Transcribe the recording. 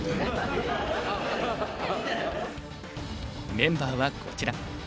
メンバーはこちら。